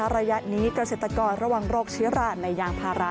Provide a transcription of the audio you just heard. ระยะนี้เกษตรกรระวังโรคเชื้อรานในยางพารา